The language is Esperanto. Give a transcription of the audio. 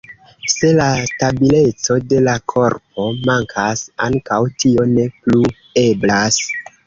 Se la stabileco de la korpo mankas, ankaŭ tio ne plu eblas.